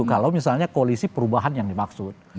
kalau misalnya koalisi perubahan yang dimaksud